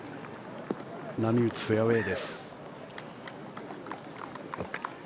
波打つフェアウェーです。